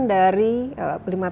dari lima tahun ke depan